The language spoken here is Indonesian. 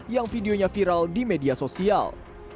yang videonya viral di media sosial